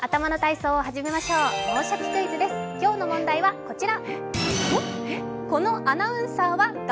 今日の問題はこちら。